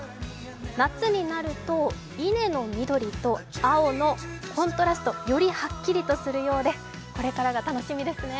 夏になると、稲の緑と青のコントラスト、よりはっきりとするようでこれからが楽しみですね。